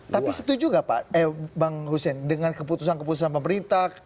tapi setuju nggak pak bang hussein dengan keputusan keputusan pemerintah